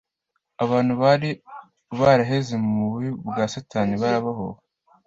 Abantu bari baraheze mu bub, bwa Satani barabohowe.